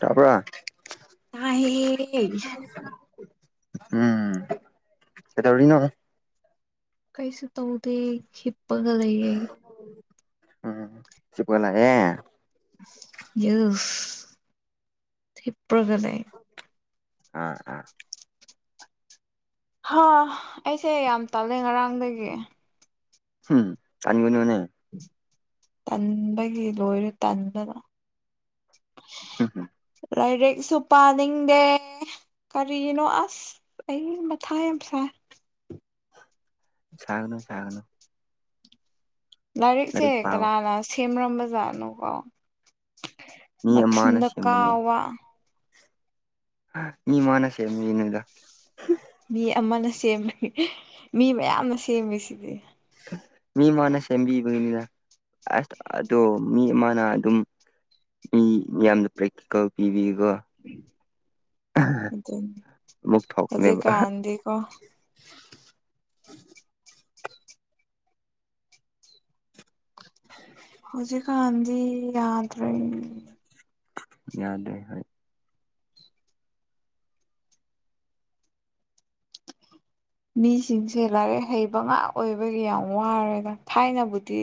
ꯇꯥꯄ ꯇ ꯎꯝ ꯀ ꯇꯧꯔꯤꯅꯣ ꯀꯩꯁꯨ ꯇꯧꯗꯦ ꯍꯤꯞꯄꯒ ꯂꯩꯌꯦ ꯎꯝ ꯁꯤꯄꯒꯂꯌꯦ ꯌꯦ ꯏꯄ꯭ꯔꯒ ꯂꯩ ꯑꯥ ꯑꯥ ꯍꯥ ꯑꯩꯁꯦ ꯌꯥꯝ ꯇꯥꯜꯂꯦ ꯉꯔꯥꯡꯗꯒꯤ ꯎꯝ ꯆꯅꯤꯕꯅꯤ ꯃꯅꯦ ꯇꯟꯕꯒꯤ ꯂꯣꯏꯔꯦ ꯇꯟꯕꯗ [unintelligible] ꯂꯥꯏꯔꯛꯁꯨ ꯄꯥꯅꯤꯡꯗꯦ ꯀꯔꯤꯅꯣ ꯑꯁ ꯑꯩ ꯃꯊꯥ ꯌꯥꯝ ꯁꯥꯏ ꯁꯥꯒꯅꯨ ꯁꯥꯒꯅꯨ ꯂꯥꯏꯔꯤꯛꯁꯦ ꯂꯥꯏꯔꯤꯛ ꯄꯥꯎ ꯀꯅꯥꯅ ꯁꯦꯝꯔꯝꯕ ꯖꯥꯠꯅꯣꯀꯣ ꯃꯤ ꯑꯃꯅ ꯃꯊꯨꯟꯗ ꯁꯦꯝꯕꯅꯦ ꯀꯥꯥꯎꯕ ꯃꯤ ꯃꯥꯅꯁꯦ ꯃꯤꯅꯦꯗ ꯃꯤ ꯑꯃꯅ ꯁꯦꯝꯕꯅꯤ ꯃꯤ ꯃꯌꯥꯝꯅ ꯁꯦꯝꯃꯤꯁꯤꯗꯤ ꯃꯤ ꯃꯥꯅ ꯁꯦꯝꯕꯤꯕꯒꯤꯅꯤꯅ ꯑꯁ ꯑꯗꯣ ꯃꯤ ꯃꯥꯅ ꯑꯗꯨꯝ ꯃꯤ ꯌꯥꯝꯅ ꯄ꯭ꯔꯦꯛꯇꯤꯀꯜ ꯄꯤꯕꯤꯀꯣ ꯑꯗꯨꯅꯤ ꯑꯃꯨꯛ ꯍꯧꯖꯤꯛ ꯊꯣꯛꯄꯅꯦꯕ ꯀꯥꯟꯗꯤꯀꯣ [unintelligible] ꯍꯧꯖꯤꯛꯀꯥꯟꯤ ꯌꯥꯗꯔꯦ ꯌꯥꯗꯦ ꯍꯥꯏ ꯃꯤꯁꯤꯡꯁꯦ ꯂꯥꯏꯔꯤꯛ ꯍꯩꯕ ꯉꯥꯛ ꯑꯣꯏꯕꯒꯤ ꯌꯥꯝ ꯋꯥꯔꯦꯗ ꯊꯥꯏꯅꯕꯨꯗꯤ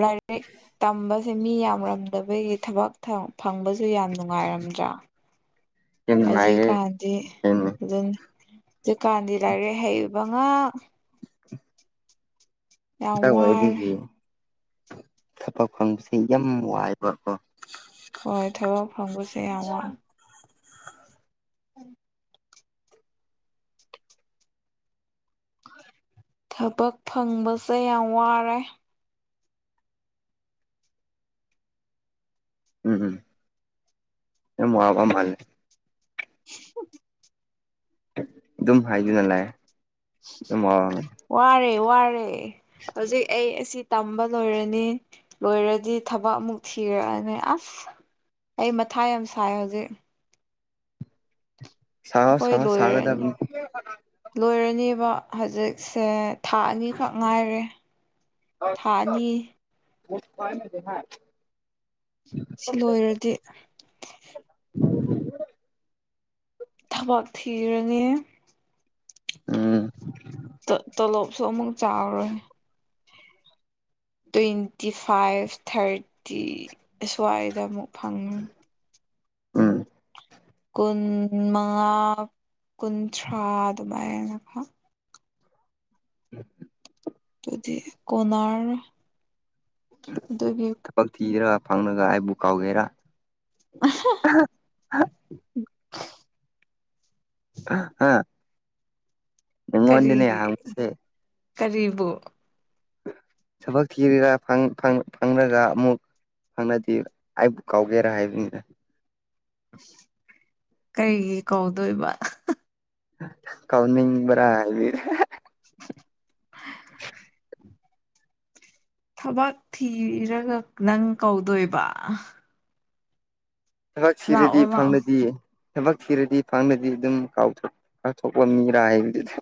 ꯂꯥꯏꯔꯤꯛ ꯇꯝꯕ ꯃꯤ ꯌꯥꯝꯔꯝꯗꯕꯒꯤ ꯊꯕꯛ ꯐꯪꯕꯁꯨ ꯌꯥꯝ ꯅꯨꯡꯉꯥꯏꯔꯝꯗ꯭ꯔꯥ ꯌꯥꯝ ꯅꯨꯡꯉꯥꯏꯌꯦ ꯍꯧꯖꯤꯛꯀꯥꯟꯗꯤ ꯌꯥꯝꯅ ꯑꯗꯨꯅꯤ ꯍꯧꯖꯤꯛꯀꯥꯟꯗꯤ ꯂꯥꯏꯔꯤꯛ ꯍꯩꯕ ꯉꯥꯛ ꯌꯥꯝ ꯋꯥꯔꯦ ꯋꯥꯏꯕꯤꯒꯤ ꯊꯕꯛ ꯐꯪꯕꯁꯦ ꯌꯥꯝ ꯋꯥꯏꯕꯀꯣ ꯍꯣꯏ ꯊꯕꯛ ꯐꯪꯕꯁꯦ ꯌꯥꯝ ꯋꯥꯏ ꯎꯝ ꯊꯕꯛ ꯐꯪꯕꯁꯦ ꯌꯥꯝ ꯋꯥꯔꯦ ꯎꯝ ꯎꯝ ꯌꯥꯝ ꯋꯥꯕ ꯃꯥꯜꯂꯦ [unintelligible] ꯑꯗꯨꯝ ꯍꯥꯏꯗꯨꯅ ꯂꯥꯛꯑꯦ ꯑꯗꯨꯝ ꯋꯥꯔꯦ ꯋꯥꯔꯦ ꯍꯧꯖꯤꯛ ꯑꯩ ꯑꯁꯤ ꯇꯝꯕ ꯂꯣꯏꯔꯅꯤ ꯂꯣꯏꯔꯗꯤ ꯊꯕꯛ ꯑꯃꯨꯛ ꯊꯤꯔꯛꯑꯅꯤ ꯑꯁ ꯑꯩ ꯃꯊꯥ ꯌꯥꯝ ꯁꯥꯏ ꯍꯧꯖꯤꯛ ꯁꯥꯎ ꯑꯈꯣꯏ ꯁꯥꯎ ꯂꯣꯏꯔꯅꯤ ꯁꯥꯒꯗꯕꯅꯤ ꯂꯣꯏꯔꯅꯦꯕ ꯍꯧꯖꯤꯛꯁꯦ ꯊꯥ ꯑꯅꯤꯈꯛ ꯉꯥꯏꯔꯦ ꯊꯥ ꯑꯅꯤ [unintelligible] ꯁꯤ ꯂꯣꯏꯔꯗꯤ ꯊꯕꯛ ꯊꯤꯔꯅꯤ ꯎꯝ ꯇꯣꯂꯣꯞ ꯁꯨ ꯑꯃꯨꯛ ꯆꯥꯎꯔꯣꯏ ꯇ꯭ꯋꯦꯟꯇꯤ ꯐꯥꯏꯚ ꯊꯥꯔꯇꯤ ꯁꯋꯥꯏꯗ ꯑꯃꯨꯛ ꯐꯪꯉꯤ ꯎꯝ ꯀꯨꯟ ꯃꯉꯥ ꯀꯨꯟꯊ꯭ꯔꯥ ꯑꯗꯨꯃꯥꯏꯅ [unintelligible] ꯑꯗꯨꯗꯤ ꯀꯣꯟꯅꯔꯅꯤ ꯑꯗꯨꯒꯤ ꯊꯕꯛ ꯊꯤꯔꯒ ꯐꯪꯉꯒ ꯑꯩꯕꯨ ꯀꯥꯎꯒꯦꯔ [unintelligible] [unintelligible] ꯍꯥ ꯀꯔꯤ ꯅꯪꯉꯣꯟꯗꯅꯦ ꯍꯥꯡꯕꯁꯦ ꯀꯔꯤꯕꯨ ꯊꯕꯛ ꯊꯤꯔꯒ ꯐꯪꯂꯒ ꯑꯃꯨꯛ ꯐꯪꯂꯗꯤ ꯑꯩꯕꯨ ꯀꯥꯎꯒꯦꯔꯥ ꯍꯥꯏꯕꯅꯤꯗ ꯀꯔꯤꯒꯤ ꯀꯥꯎꯗꯣꯏꯕ ꯀꯥꯎꯅꯤꯡꯕꯔꯥ ꯍꯥꯏ [unintelligible] ꯊꯕꯛ ꯊꯤꯔꯒ ꯅꯪ ꯀꯥꯎꯗꯣꯏꯕ ꯊꯕꯛ ꯊꯤꯔꯗꯤ ꯂꯥꯛꯑꯣ ꯂꯥꯛꯑꯣ ꯐꯪꯂꯗꯤ ꯊꯕꯛ ꯊꯤꯔꯗꯤ ꯐꯪꯂꯗꯤ ꯑꯗꯨꯝ ꯀꯥꯎ ꯀꯥꯎꯊꯣꯛ ꯂꯝꯅꯤꯔ ꯍꯥꯏꯕꯗꯨꯗ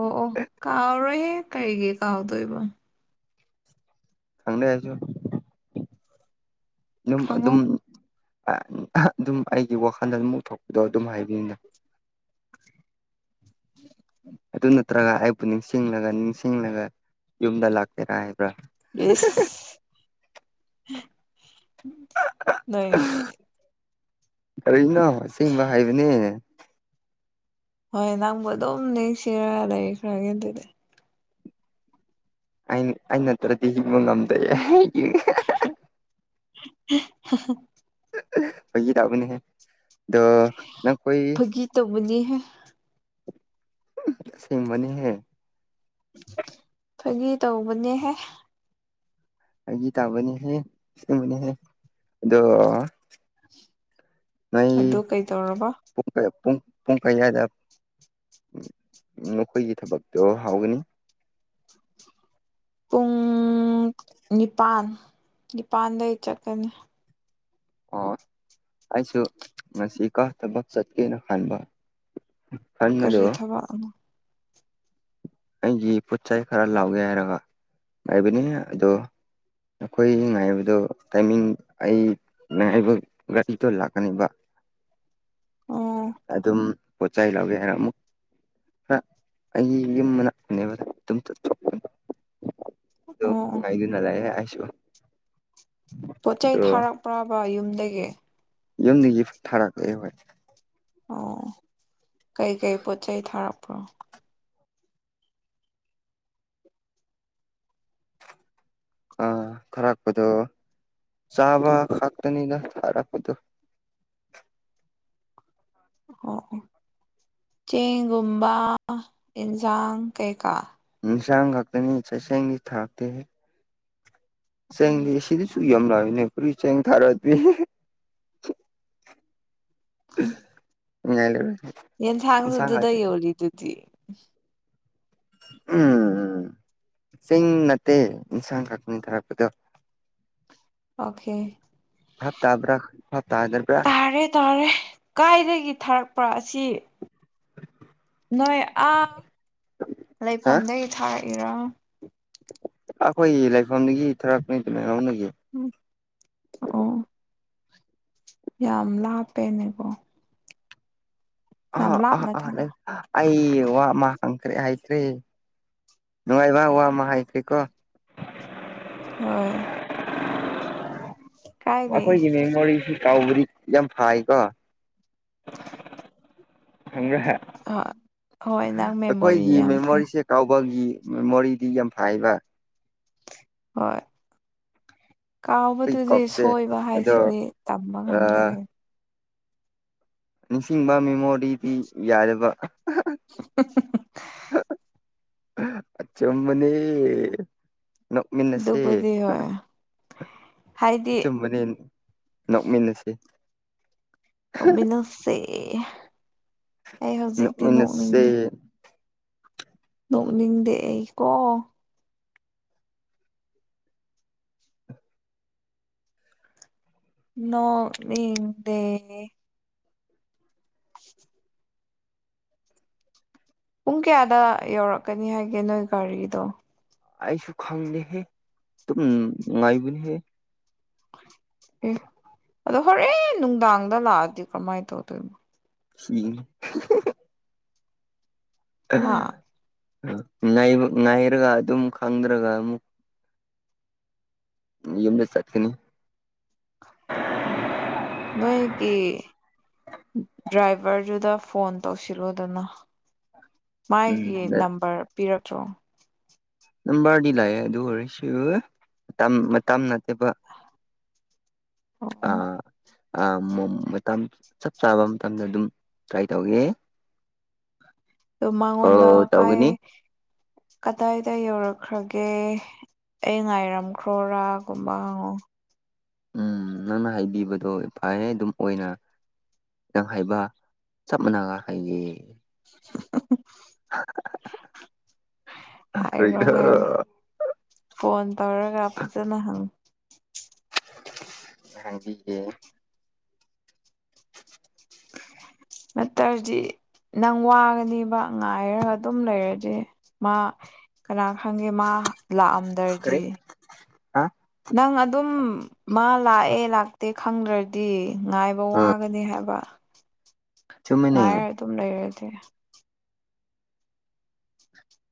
ꯑꯣ ꯑꯣ ꯀꯥꯎꯔꯣꯏꯍꯦ ꯀꯔꯤꯒꯤ ꯀꯥꯎꯗꯣꯏꯕ ꯈꯪꯗꯦ ꯑꯩꯁꯨ ꯅꯪ ꯑꯗꯨꯝ ꯈꯪꯉꯨ ꯑꯗꯨꯝ ꯑꯩꯒꯤ ꯋꯥꯈꯜꯗ ꯑꯗꯨꯝ ꯎꯊꯣꯛꯄꯗꯣ ꯑꯗꯨꯝ ꯍꯥꯏꯕꯅꯤꯗ ꯑꯗꯨꯅ ꯅꯠꯇ꯭ꯔꯒ ꯑꯩꯕꯨ ꯅꯤꯡꯁꯤꯡꯂꯒ ꯅꯤꯡꯁꯤꯡꯂꯒ ꯌꯨꯝꯗ ꯂꯥꯛꯀꯦꯔ ꯍꯥꯏꯕ꯭ꯔ ꯏꯁ ꯅꯣꯏ ꯀꯔꯤꯅꯣ ꯑꯁꯦꯡꯕ ꯍꯥꯏꯕꯅꯦ ꯍꯣꯏ ꯅꯪꯕꯨ ꯑꯗꯨꯝ ꯅꯤꯡꯁꯤꯡꯔ ꯂꯩꯔꯤꯛꯈ꯭ꯔꯒꯦ ꯑꯗꯨꯗꯤ ꯑ ꯑꯩ ꯅꯠꯇ꯭ꯔꯗꯤ ꯍꯤꯡꯕ ꯉꯝꯗꯦ ꯍꯤꯍꯤ [unintelligible] ꯐꯥꯒꯤ ꯇꯥꯕꯅꯤꯍꯦ ꯐꯥꯒꯤ ꯇꯧꯕꯅꯤꯍꯦ ꯑꯁꯦꯡꯕꯅꯤꯍꯦ ꯐꯥꯒꯤ ꯇꯧꯕꯅꯦꯍꯦ ꯐꯥꯒꯤ ꯇꯥꯎꯕꯅꯦꯍꯦ ꯑꯁꯦꯡꯅꯦꯍꯦ ꯑꯗꯣ ꯅꯣꯏ ꯑꯗꯨ ꯀꯩ ꯗꯧꯔꯕ ꯄꯨꯡ ꯄꯨꯡ ꯀꯌꯥꯏꯗ ꯅꯈꯣꯏꯒꯤ ꯊꯕꯛꯇꯣ ꯍꯥꯎꯒꯅꯤ ꯄꯨꯡ ꯅꯤꯄꯥꯟ ꯅꯤꯄꯥꯟꯗꯩ ꯆꯠꯀꯅꯤ ꯑꯣ ꯑꯩꯁꯨ ꯉꯁꯤ ꯀꯥ ꯊꯕꯛ ꯆꯠꯀꯦꯅ ꯈꯟꯕ ꯀꯔꯤ ꯈꯟꯕꯗꯣ ꯊꯕꯛꯅꯣ ꯑꯩꯒꯤ ꯄꯣꯠꯆꯩ ꯈꯔ ꯂꯥꯎꯒꯦ ꯍꯥꯏꯔꯒ ꯉꯥꯏꯕꯅꯤꯍꯦ ꯑꯗꯣ ꯅꯈꯣꯏ ꯉꯥꯏꯕꯗꯣ ꯇꯥꯏꯃꯤꯡ ꯑꯩ ꯉꯥꯏꯕ ꯒꯥꯔꯤꯗꯣ ꯂꯥꯛꯀꯅꯦꯕ ꯑꯣ ꯑꯗꯨꯝ ꯄꯣꯠꯆꯩ ꯂꯧꯒꯦ ꯍꯥꯏꯔ ꯑꯃꯨꯛ ꯈ ꯑꯩꯒꯤ ꯌꯨꯝ ꯃꯅꯥꯛꯄꯅꯦꯕꯗ ꯑꯗꯨꯝ ꯆ ꯑꯗꯨ ꯑꯣ ꯑꯣ ꯃꯥꯏꯗꯨꯅ ꯂꯩꯌꯦ ꯑꯩꯁꯨ ꯄꯣꯠ ꯆꯩꯩ ꯑꯗꯣ ꯊꯥꯔꯛꯄ꯭ꯔꯕ ꯌꯨꯝꯗꯒꯤ ꯌꯨꯝꯗꯒꯤ ꯊꯥꯔꯛꯂꯦ ꯍꯣꯏ ꯑꯣ ꯀꯩꯀꯩ ꯄꯣꯠ ꯆꯩꯩ ꯊꯥꯔꯛꯄ꯭ꯔꯣ ꯑꯥ ꯊꯥꯔꯛꯄꯗꯣ ꯆꯥꯕ ꯈꯥꯛꯇꯅꯤꯅ ꯊꯥꯔꯛꯄꯗꯣ ꯑꯣ ꯆꯦꯡꯒꯨꯝꯕ ꯌꯦꯟꯁꯥꯡ ꯀꯩꯀꯥ ꯏꯟꯁꯥꯡ ꯈꯥꯛꯇꯅꯤ ꯆꯁꯦꯡꯗꯤ ꯊꯥꯔꯛꯇꯦ ꯎꯝ ꯆꯦꯡꯗꯤ ꯁꯤꯗꯁꯨ ꯌꯥꯝꯂꯥꯏꯕꯅꯦ ꯄꯨꯔꯤ ꯆꯦꯡ ꯊꯥꯔꯛꯗꯤ ꯉꯥꯏ ꯏꯟꯁꯥꯡ ꯌꯦꯟꯁꯥꯡꯁꯨꯗꯨꯗ ꯈꯛꯇꯅꯤ ꯌꯣꯜꯂꯤꯗꯨꯗꯤ ꯎꯝ ꯆꯤꯡ ꯅꯠꯇꯦ ꯏꯟꯁꯥꯡ ꯀꯛꯄꯅꯤ ꯊꯥꯔꯛꯄꯗꯣ ꯑꯣꯀꯦ ꯕꯥꯞꯇꯥꯕ꯭ꯔ ꯕꯥꯞꯇꯥꯗꯕꯔꯥ ꯇꯥꯔꯦ ꯇꯥꯔꯦ ꯀꯥꯏꯗꯒꯤ ꯊꯥꯔꯛꯄ ꯑꯁꯤ ꯅꯣꯏ ꯑꯥ ꯍꯥ ꯂꯩꯐꯝꯗꯒꯤ ꯊꯥꯔꯛꯏꯔꯥ ꯑꯩꯈꯣꯏꯒꯤ ꯂꯩꯐꯝꯗꯒꯤ ꯊꯔꯛꯅꯤꯗꯃꯍꯧꯅꯒꯤ ꯝ ꯑꯣ ꯌꯥꯝ ꯂꯥꯞꯄꯦꯅꯦꯀꯣ ꯑ ꯌꯥꯝ ꯑ ꯂꯥꯞꯅ ꯊꯥ ꯑ ꯑꯩ ꯋꯥ ꯑꯃ ꯍꯪꯈ꯭ꯔꯦ ꯍꯥꯏꯈ꯭ꯔꯦ ꯅꯨꯡꯉꯥꯏꯕ ꯋꯥ ꯑꯃ ꯍꯥꯏꯒꯦꯀꯣ ꯍꯣꯏ ꯀꯥꯏꯗꯩ ꯑꯩꯈꯣꯏꯒꯤ ꯃꯦꯃꯣꯔꯤꯁꯤ ꯀꯥꯎꯕꯗꯤ ꯌꯥꯝ ꯐꯥꯏꯀꯣ ꯈꯪꯈ꯭ꯔꯦꯍꯦ ꯍꯣꯏ ꯍꯣꯏ ꯅꯪ ꯃꯦꯃꯣꯔꯤ ꯑꯩꯈꯣꯏꯒꯤ ꯌꯥꯝ ꯐꯩ ꯃꯦꯃꯣꯔꯤꯁꯦ ꯀꯥꯎꯕꯒꯤ ꯃꯦꯃꯣꯔꯤꯗꯤ ꯌꯥꯝ ꯐꯩꯕ ꯍꯣꯏ ꯑꯩꯈꯣꯏ ꯀꯥꯎꯕꯗꯨꯗꯤ ꯀꯣꯛꯁꯦ ꯁꯣꯏꯕ ꯑꯗꯣ ꯍꯥꯏꯁꯤꯗꯤ ꯇꯝꯕ ꯉꯝꯗꯦ ꯑꯥ ꯅꯤꯡꯁꯤꯡꯕ ꯃꯦꯃꯣꯔꯤꯗꯤ ꯌꯥꯗꯕ [unintelligible] ꯑꯆꯨꯝꯕꯅꯦ ꯅꯣꯛꯃꯤꯟꯅꯁꯦ ꯑꯗꯨꯕꯨꯗꯤ ꯍꯣꯏ ꯍꯥꯏꯗꯤ ꯑꯆꯨꯝꯕꯅꯦ ꯅꯣꯛꯃꯤꯟꯅꯁꯤ ꯅꯣꯛꯃꯤꯟꯅꯁꯦ ꯑꯩ ꯍꯧꯖꯤꯛꯇꯤ ꯅꯣꯛꯃꯤꯟꯅꯁꯦ ꯅꯣꯛꯅꯤꯡꯗꯦ ꯅꯣꯛꯅꯤꯡꯗꯦ ꯑꯩꯀꯣ ꯅꯣꯛꯅꯤꯡꯗꯦ ꯄꯨꯡ ꯀꯌꯥꯗ ꯌꯧꯔꯛꯀꯅꯤ ꯍꯥꯏꯒꯦ ꯅꯣꯏ ꯒꯥꯔꯤꯗꯣ ꯑꯩꯁꯨ ꯈꯪꯗꯦꯍꯦ ꯑꯗꯨꯝ ꯅꯨꯡꯉꯥꯏꯕꯅꯤꯍꯦ ꯑꯦ ꯑꯗꯣ ꯍꯣꯔꯦꯟ ꯅꯨꯡꯗꯥꯡꯗ ꯂꯥꯛꯑꯗꯤ ꯀꯃꯥꯏ ꯇꯧꯗꯣꯏ [unintelligible] ꯍꯥ ꯑ ꯀꯩꯅꯣ ‌ꯅꯩꯔ‌ꯒꯑꯗꯨꯝ ꯈꯪꯗ꯭ꯔꯒ ꯑꯃꯨꯛ ꯌꯨꯝꯗ ꯆꯠꯀꯅꯤ ꯅꯣꯏꯒꯤ ꯗ꯭ꯔꯥꯏꯚꯔꯗꯨꯗ ꯐꯣꯟ ꯇꯧꯁꯤꯜꯂꯣꯗꯅ ꯃꯥꯒꯤ ꯎꯝ ꯅꯝꯕꯔ ꯄꯤꯔꯛꯇ꯭ꯔꯣ ꯅꯝꯕꯔꯗꯤ ꯂꯥꯛꯑꯦ ꯑꯗꯨ ꯑꯣꯏꯔꯁꯨ ꯌꯥꯝ ꯃꯇꯝ ꯅꯠꯇꯕ ꯑꯣ ꯑꯥ ꯃꯇꯝ ꯆꯞ ꯆꯥꯕ ꯃꯇꯝꯗ ꯑꯗꯨꯝ ꯇ꯭ꯔꯥꯏ ꯇꯧꯏ ꯑ ꯃꯉꯣꯟꯗ ꯑꯣ ꯀꯥꯏ ꯇꯧꯒꯅꯤ ꯀꯗꯥꯏꯗ ꯌꯧꯔꯛꯈ꯭ꯔꯒꯦ ꯑꯩ ꯉꯥꯏꯔꯝꯈ꯭ꯔꯣꯔ ꯒꯨꯝꯕ ꯍꯪ ꯉꯣ ꯎꯝ ꯅꯪꯅ ꯍꯥꯏꯕꯤꯕꯗꯣ ꯐꯩꯑꯦ ꯑꯗꯨꯝ ꯑꯣꯏꯅ ꯅꯪ ꯍꯥꯏꯕ ꯆꯞ ꯃꯥꯟꯅꯅꯕ ꯍꯥꯏꯌꯦ ꯍꯥꯏꯔꯣ ꯀꯔꯤꯔ ꯍꯥꯏꯔꯣ ꯐꯣꯟ ꯇꯧꯔꯒ ꯐꯖꯅ ꯍꯪ ꯍꯕꯤꯒꯦ ꯅꯠꯇ꯭ꯔꯗꯤ ꯅꯪ ꯋꯥꯒꯅꯦꯕ ꯉꯥꯏꯔꯒ ꯑꯗꯨꯝ ꯂꯩꯔꯗꯤ ꯃꯥ ꯀꯅꯥ ꯈꯪꯒꯦ ꯃꯥ ꯂꯥꯛꯑꯝꯗ꯭ꯔꯗꯤ ꯀꯔꯤ ꯍꯥ ꯅꯪ ꯑꯗꯨꯝ ꯃꯥ ꯂꯥꯛꯑꯦ ꯂꯥꯛꯇꯦ ꯈꯪꯗ꯭ꯔꯗꯤ ꯉꯥꯏꯕ ꯑꯥ ꯋꯥꯒꯅꯤ ꯍꯥꯏꯕ ꯆꯨꯝꯃꯤꯅꯦ ꯉꯥꯏ ꯔ ꯑꯗꯨꯝ ꯂꯩꯔꯗꯤ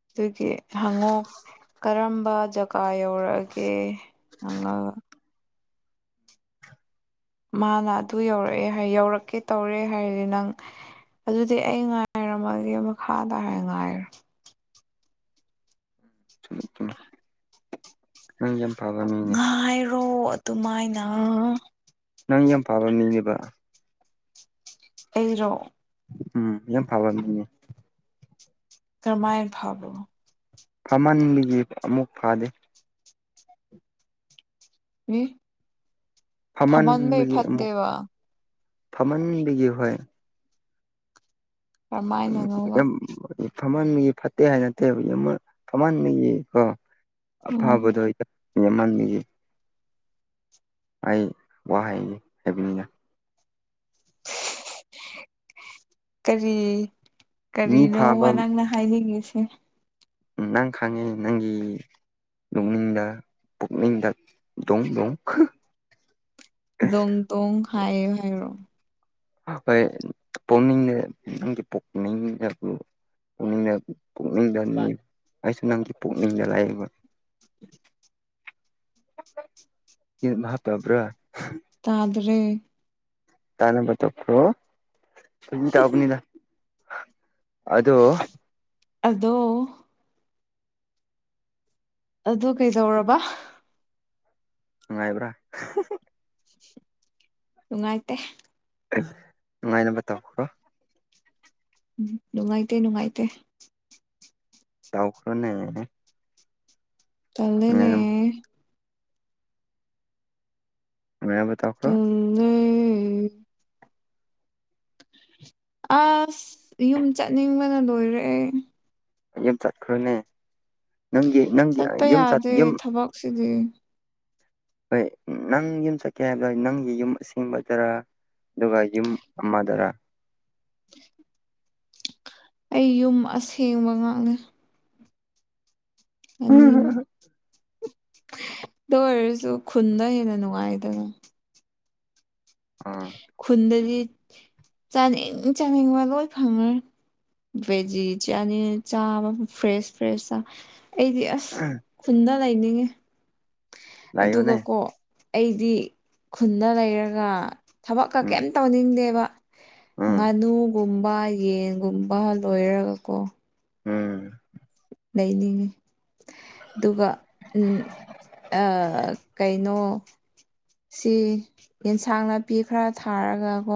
ꯑꯗꯨꯒꯤ ꯍꯪꯉꯣ ꯀꯔꯝꯕ ꯖꯒꯥ ꯌꯧꯔꯛꯑꯒꯦ ꯍꯩꯉꯥ ꯃꯥꯅ ꯑꯗꯨ ꯌꯧꯔꯛꯑꯦ ꯍꯥꯏ ꯌꯧꯔꯛꯀꯦ ꯇꯧꯔꯦ ꯍꯥꯏꯔꯗꯤ ꯅꯪ ꯑꯗꯨꯗꯤ ꯑꯩ ꯉꯥꯏꯔꯝꯃꯒꯦ ꯃꯈꯥ ꯗ ꯍꯥꯏ ꯉꯥꯏꯔꯣ ꯆꯨꯝꯃꯤ ꯆꯨꯝꯃꯤ [inaudible] ꯅꯪ ꯌꯥꯝ ꯐꯕ ꯃꯤꯅꯦ ꯉꯥꯏꯔꯣ ꯑꯗꯨꯃꯥꯏꯅ ꯅꯪ ꯌꯥꯝ ꯐꯥꯕ ꯃꯤꯅꯦꯕ ꯑꯩꯔꯣ ꯎꯝ ꯌꯥꯝ ꯐꯕ ꯃꯤꯅꯦ ꯀꯔꯝꯃꯥꯏ ꯐꯕꯔꯣ ꯐꯝꯃꯟꯕꯒꯤ ꯑꯃꯨꯛ ꯐꯥꯗꯦ ꯌꯤ ꯐꯝꯃꯟꯕꯒꯤ ꯑꯃꯨꯛ ꯐꯠꯇꯦꯕ ꯐꯝꯃꯟꯕꯒꯤ ꯍꯣꯏ ꯎꯝ ꯀꯔꯝꯃꯥꯏꯅꯅꯣꯕ ꯌꯥꯝ ꯐꯝꯃꯟꯕꯒꯤ ꯐꯠꯇꯦ ꯍꯥꯏ ꯅꯠꯇꯦꯕ ꯌꯥꯝꯅ ꯐꯝꯍꯟꯕꯒꯤ ꯀꯣ ꯎꯝ ꯑꯐꯕꯗ ꯌ ꯃꯤꯍꯟꯒꯤ ꯑꯩ ꯋꯥ ꯍꯥꯏꯒꯦ ꯍꯥꯏꯕꯅꯤꯅ ꯀꯔꯤ ꯃꯤ ꯀꯔꯤꯅꯣ ꯐꯥꯕ ꯃꯅꯥꯪꯅ ꯈꯥꯏ ꯂꯩꯒꯦꯁꯤꯦ ꯎ ꯅꯪ ꯈꯥꯡꯉꯦ ꯅꯪꯒꯤ ꯅꯣꯛꯅꯤꯡꯗ ꯄꯨꯛꯅꯤꯡꯗꯣꯡꯣꯡꯈ ꯗꯣꯡ ꯇꯣꯡ ꯍꯥꯏꯌ ꯍꯥꯏꯔꯣ ꯑꯩꯣꯏ ꯄꯨꯛꯅꯤꯡꯗ ꯅꯪꯒꯤ ꯄꯨꯛꯅꯤꯡꯗ ꯄꯨꯛꯅꯤꯡꯗ ꯄꯨꯛꯅꯤꯡꯗ ꯑꯩꯁꯨ ꯅꯪꯗꯤ ꯄꯨꯛꯅꯤꯡꯗ ꯂꯥꯛꯌꯦꯕ [inaudible] ꯌꯦ ꯃꯥ ꯄꯕ꯭ꯔꯥ ꯇꯥꯗꯔꯦ꯫ ꯇꯥꯅꯕ ꯇꯣꯞꯄ꯭ꯔꯣ ꯐꯥꯒꯤ ꯇꯧꯕꯅꯤꯗ ꯑꯗꯣ__ ꯑꯗꯣ__ ꯑꯗꯨ ꯀꯩꯗꯧꯔꯕ꯫ ꯅꯨꯡꯉꯥꯏꯕ꯭ꯔꯥ꯫ ꯅꯨꯡꯉꯥꯏꯇꯦ꯫ ꯅꯨꯡꯉꯥꯏꯅꯕ ꯇꯧꯈ꯭ꯔꯣ꯫ ꯎꯝ ꯅꯨꯡꯉꯥꯏꯇꯦ ꯅꯨꯡꯉꯥꯏꯇꯦ꯫ ꯇꯈꯔꯅꯦ꯫ ꯇꯧꯔꯦꯅꯦ꯫ ꯃꯌꯥꯝꯕ ꯇꯈ꯭ꯔꯣ꯫ ꯇꯜꯂꯦ ꯑꯁ ꯌꯨꯝ ꯆꯠꯅꯤꯡꯕꯅ ꯂꯣꯏꯔꯦ꯫ ꯌꯨꯝ ꯆꯠꯈ꯭ꯔꯣꯅꯦ ꯅꯪꯒꯤ ꯅꯪꯒꯤ ꯌꯨꯝ ꯌꯨꯝ__ ꯁꯤꯗꯤ꯫ ꯍꯣꯏ ꯅꯪ ꯌꯨꯝ ꯆꯠꯀꯦ ꯍꯥꯏꯕꯗ ꯅꯪꯒꯤ ꯌꯨꯝ ꯑꯁꯦꯡꯕꯗꯔ꯫ ꯑꯗꯨꯒ ꯌꯨꯝ ꯑꯃꯗꯔ꯫ ꯑꯩ ꯌꯨꯝ ꯑꯁꯦꯡꯕ ꯉꯥꯛꯅꯦ꯫ ꯑꯅꯤꯃ꯫ ꯑꯗꯨ ꯑꯣꯏꯔꯁꯨ ꯈꯨꯟꯗ ꯍꯦꯟꯅ ꯅꯨꯡꯉꯥꯏꯗꯅ꯫ ꯑ꯫ ꯈꯨꯟꯗꯗꯤ ꯆꯥꯅꯤꯡ ꯆꯥꯅꯤꯡꯕ ꯂꯣꯏ ꯐꯪꯉ꯭ꯔꯦ꯫ ꯚꯦꯖꯤ ꯆꯅꯤꯡꯉꯦ ꯆꯥ ꯐ꯭ꯔꯦꯁ ꯐ꯭ꯔꯦꯁ ꯆ__ ꯑꯩꯗꯤ ꯑꯁ ꯈꯨꯟꯗ ꯂꯩꯅꯤꯡꯉꯤ꯫ ꯂꯥꯛꯌꯣꯅꯦ ꯑꯗꯨꯒꯀꯣ ꯑꯩꯗꯤ ꯈꯨꯗ ꯂꯩꯔꯒ__ ꯊꯕꯛꯀ ꯎꯝ ꯀꯩꯝ ꯇꯧꯅꯤꯡꯗꯦꯕ ꯎꯝ ꯉꯥꯅꯨꯒꯨꯝꯕ__ ꯌꯦꯟꯒꯨꯝꯕ ꯂꯣꯏꯔꯒꯀꯣ꯫ ꯎꯝ꯫ ꯂꯩꯅꯤ꯫ ꯑꯗꯨꯒ ꯀꯩꯅꯣ__ ꯁꯤ ꯑꯦꯟꯁꯥꯡ ꯅꯥꯄꯤ ꯈꯔ ꯊꯥꯔꯒꯀꯣ꯫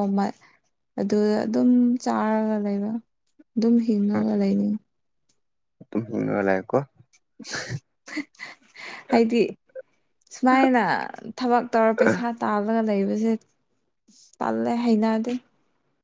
ꯑꯗꯨꯗ ꯑꯗꯨꯝ ꯆꯥꯔꯒ ꯂꯩꯕ ꯑꯗꯨꯝ ꯍꯤꯡꯉꯒ ꯂꯩꯅꯤꯡꯉꯦ꯫ [unintelligible] ꯂꯦꯀꯣ ꯍꯥꯏꯗꯤ꯫ ꯁꯨꯃꯥꯏꯅ ꯊꯕꯛ ꯇꯧꯔ ꯄꯩꯁꯥ ꯇꯥꯜꯂꯒ ꯂꯩꯕꯁꯦ꯫ ꯇꯜꯂꯦ ꯍꯥꯏꯅꯗꯤ꯫